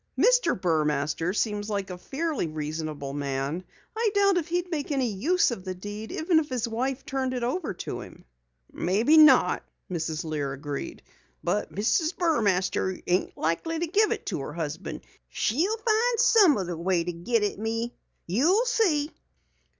"Mr. Burmaster seems like a fairly reasonable man. I doubt he'd make any use of the deed even if his wife turned it over to him." "Maybe not," Mrs. Lear agreed, "but Mrs. Burmaster ain't likely to give it to her husband. She'll find some other way to git at me. You see!"